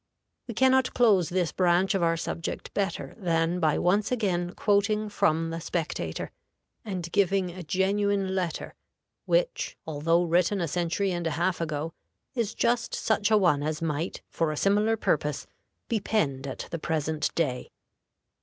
We can not close this branch of our subject better than by once again quoting from the Spectator, and giving a genuine letter, which, although written a century and a half ago, is just such a one as might, for a similar purpose, be penned at the present day.